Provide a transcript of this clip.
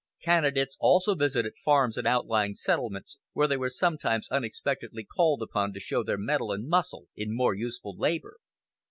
Candidates also visited farms and outlying settlements, where they were sometimes unexpectedly called upon to show their mettle and muscle in more useful labor.